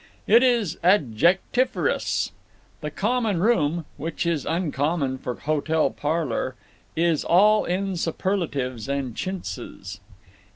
It is adjectiferous. The common room (which is uncommon for hotel parlor) is all in superlatives and chintzes.